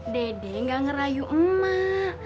dede gak ngerayu mak